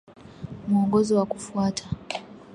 Muongozo wa kufuata